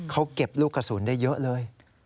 เขาเก็บลูกกระสุนได้เยอะเลย